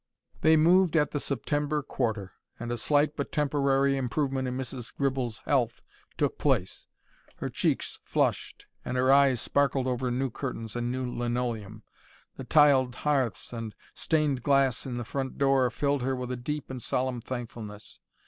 They moved at the September quarter, and a slight, but temporary, improvement in Mrs. Gribble's health took place. Her cheeks flushed and her eyes sparkled over new curtains and new linoleum. The tiled hearths, and stained glass in the front door filled her with a deep and solemn thankfulness.